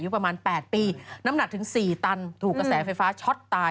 ประมาณ๘ปีน้ำหนักถึง๔ตันถูกกระแสไฟฟ้าช็อตตาย